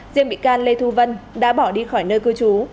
riêng bị can lê thu vân đã bỏ đi khỏi nơi cư trú